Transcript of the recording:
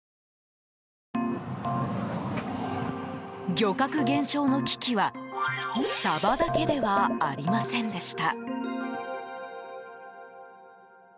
漁獲減少の危機はサバだけではありませんでした。